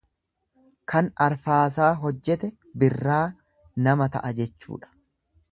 Kan arfaasaa hojjete birraa nama ta'a jechuudha.